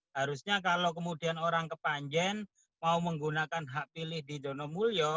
harusnya kalau kemudian orang kepanjen mau menggunakan hak pilih di donomulyo